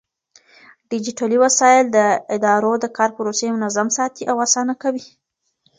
ډيجيټلي وسايل د ادارو د کار پروسې منظم ساتي او آسانه کوي.